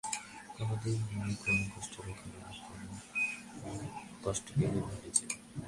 কোনো দিন মনে কোনো কষ্ট রেখো না, কখনো কষ্ট পেলেও ভুলে যেয়ো।